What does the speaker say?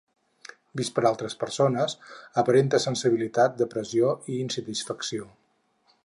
Vist per altres persones, aparenta sensibilitat, depressió i insatisfacció.